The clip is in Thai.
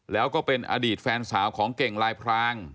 แล้วก็เป็นอดีตแฟนสาวของเก่งลายพราง